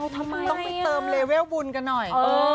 ทำไมต้องไปเติมเลเวลบุญกันหน่อย